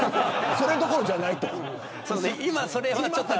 それどころじゃない。